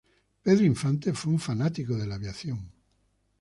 Pedro Infante fue un fanático de la aviación.